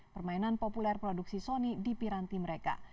permainan populer produksi sony di piranti mereka